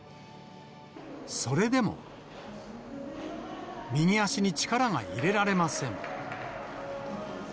それでも、右足に力が入れられません。